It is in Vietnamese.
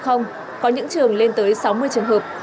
có những trường lên tới sáu mươi trường hợp